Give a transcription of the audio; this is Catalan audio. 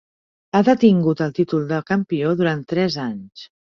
Ha detingut el títol de campió durant tres anys.